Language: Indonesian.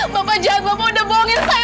bapak jahat bapak udah bohongin saya